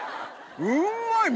うんまい！